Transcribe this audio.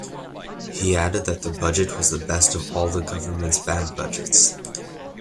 He added that the budget was the best of all the government's bad budgets.